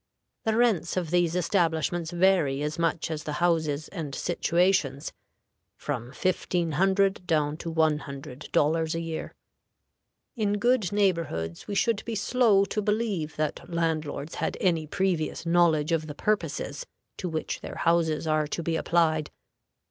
The rents of these establishments vary as much as the houses and situations (from fifteen hundred down to one hundred dollars a year). In good neighborhoods we should be slow to believe that landlords had any previous knowledge of the purposes to which their houses are to be applied.